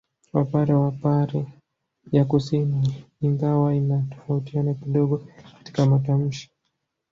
Wapare wa pare ya kusini ingawa inatofautiana kidogo katika matamshi